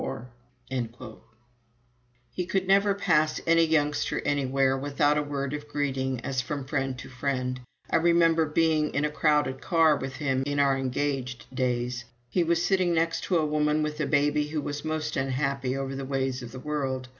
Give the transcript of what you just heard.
[Footnote 1: Robert Bruère, in the New Republic, May 18, 1918.] He could never pass any youngster anywhere without a word of greeting as from friend to friend. I remember being in a crowded car with him in our engaged days. He was sitting next to a woman with a baby who was most unhappy over the ways of the world.